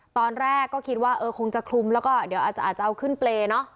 ตอนแรกก็คิดว่าเออคงจะคลุมแล้วก็เดี๋ยวอาจจะเอาขึ้นเปรย์เนอะ